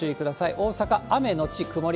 大阪、雨後曇り。